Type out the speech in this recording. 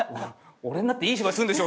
俺になっていい芝居するんですよ